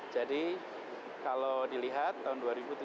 jadi kalau dilihat tahun dua ribu tujuh belas